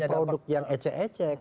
produk yang ecek ecek